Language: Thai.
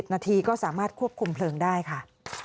นาทีก็สามารถควบคุมเพลิงได้ค่ะ